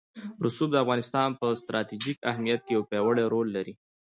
رسوب د افغانستان په ستراتیژیک اهمیت کې یو پیاوړی رول لري.